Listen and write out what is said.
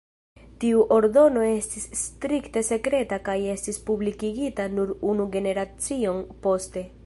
Tiu ordono estis strikte sekreta kaj estis publikigita nur unu generacion poste.